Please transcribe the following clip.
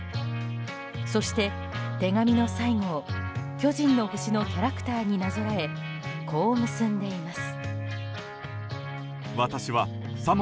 そして、手紙の最後を「巨人の星」のキャラクターになぞらえこう結んでいます。